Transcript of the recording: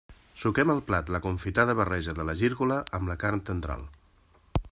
Suquem al plat la confitada barreja de la gírgola amb la carn tendral.